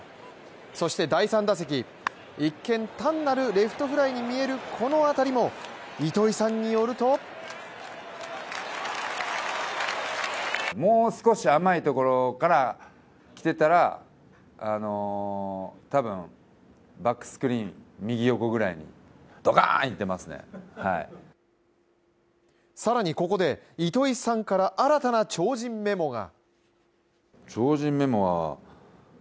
そして第３打席、一見、単なるレフトフライに見えるこの当たりも糸井さんによると更にここで糸井さんから新たな超人メモが。